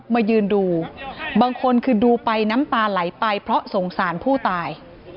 มายืนดูบางคนคือดูไปน้ำตาไหลไปเพราะสงสารผู้ตาย